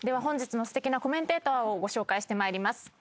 本日のすてきなコメンテーターをご紹介してまいります。